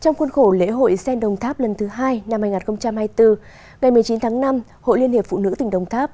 trong khuôn khổ lễ hội sen đồng tháp lần thứ hai năm hai nghìn hai mươi bốn ngày một mươi chín tháng năm hội liên hiệp phụ nữ tỉnh đồng tháp